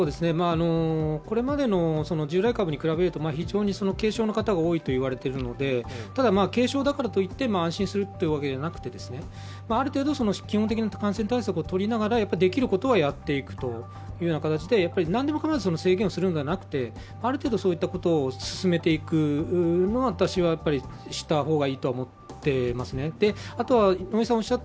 これまでの従来株に比べると非常に軽症の方が多いといわれているのでただ、軽症だからといって安心するというわけじゃなくて、ある程度、基本的な感染対策を取りながらできることはやっていくというような形で何でも構わず制限をするのではなくて、ある程度、そういったことを進めていった方がいいと思いますね。